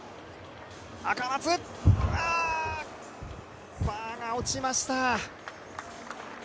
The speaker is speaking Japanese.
赤松、バーが落ちました。